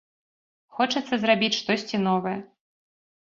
Хочацца зрабіць штосьці новае.